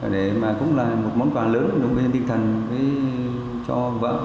để mà cũng là một món quà lớn một cái tinh thần cho vợ